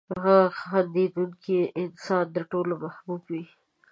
• خندېدونکی انسان د ټولو محبوب وي.